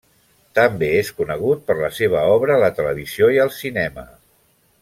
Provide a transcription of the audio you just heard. També és conegut per la seva obra a la televisió i al cinema.